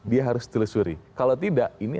dia harus telusuri kalau tidak ini